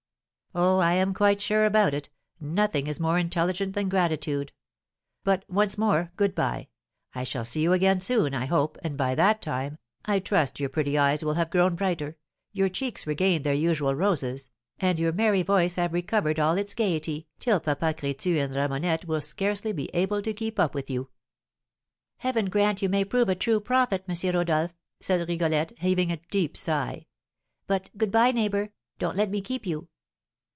"Oh, I am quite sure about it, nothing is more intelligent than gratitude. But once more, good bye, I shall see you again soon, I hope, and by that time, I trust your pretty eyes will have grown brighter, your cheeks regained their usual roses, and your merry voice have recovered all its gaiety, till Papa Crétu and Ramonette will scarcely be able to keep up with you." "Heaven grant you may prove a true prophet, M. Rodolph!" said Rigolette, heaving a deep sigh. "But, good bye, neighbour, don't let me keep you."